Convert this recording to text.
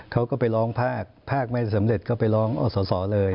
เขาก็ไปร้องภาคภาคไม่สำเร็จก็ไปร้องอสอเลย